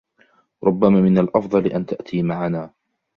ربما من الأفضل أن تأتي معنا.